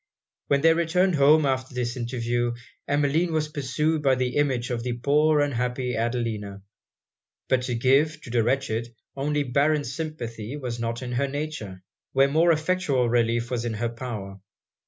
When they returned home after this interview, Emmeline was pursued by the image of the poor unhappy Adelina. But to give, to the wretched, only barren sympathy, was not in her nature, where more effectual relief was in her power.